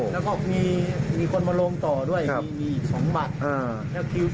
และมีคนมาร่มต่อด้วยมี๒บาท